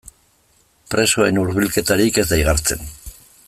Presoen hurbilketarik ez da igartzen.